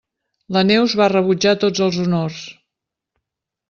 La Neus va rebutjar tots els honors.